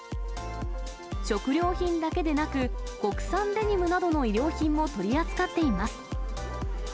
食料品だけでなく、国産デニムなどの衣料品も取り扱っています。